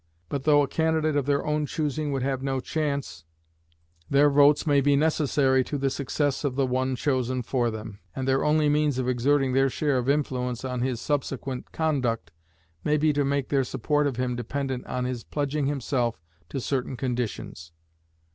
But, though a candidate of their own choosing would have no chance, their votes may be necessary to the success of the one chosen for them, and their only means of exerting their share of influence on his subsequent conduct may be to make their support of him dependent on his pledging himself to certain conditions.